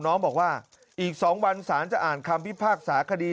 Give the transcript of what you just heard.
น้องบอกว่าอีก๒วันสารจะอ่านคำพิพากษาคดี